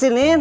pak ini apa